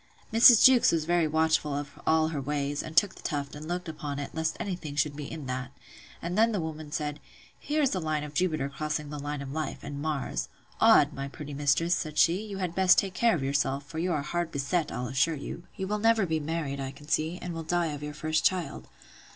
Mrs. Jewkes was very watchful of all her ways, and took the tuft, and looked upon it, lest any thing should be in that. And then the woman said, Here is the line of Jupiter crossing the line of life; and Mars—Odd! my pretty mistress, said she, you had best take care of yourself; for you are hard beset, I'll assure you. You will never be married, I can see; and will die of your first child.